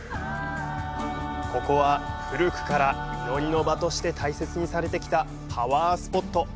ここは古くから祈りの場として大切にされてきたパワースポット。